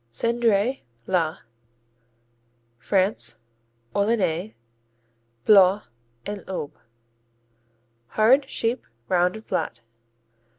Cendrée, la France Orléanais, Blois & Aube Hard; sheep; round and flat.